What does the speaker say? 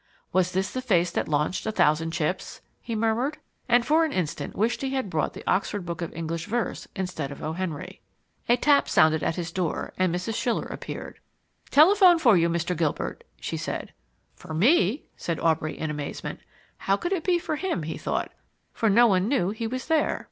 "Was this the face that launched a thousand chips?" he murmured, and for an instant wished he had brought The Oxford Book of English Verse instead of O. Henry. A tap sounded at his door, and Mrs. Schiller appeared. "Telephone for you, Mr. Gilbert," she said. "For ME?" said Aubrey in amazement. How could it be for him, he thought, for no one knew he was there.